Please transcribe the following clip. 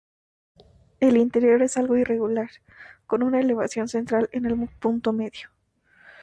El interior es algo irregular, con una elevación central en el punto medio.